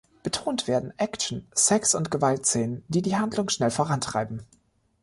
Betont werden Action-, Sex- und Gewaltszenen, die die Handlung schnell vorantreiben.